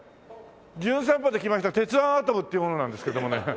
『じゅん散歩』で来ました鉄腕アトムっていう者なんですけどもね。